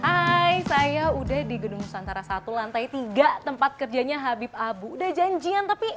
hai saya udah di gedung nusantara satu lantai tiga tempat kerjanya habib abu udah janjian tapi